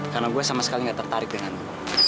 karena gue sama sekali gak tertarik denganmu